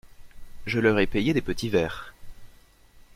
Je leur ai payé des petits verres.